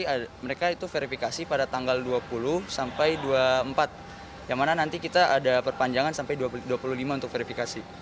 ada mereka itu verifikasi pada tanggal dua puluh sampai dua puluh empat yang mana nanti kita ada perpanjangan sampai dua puluh lima untuk verifikasi